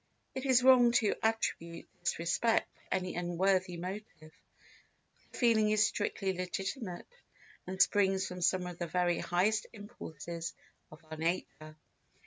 It is wrong to attribute this respect to any unworthy motive, for the feeling is strictly legitimate and springs from some of the very highest impulses of our nature.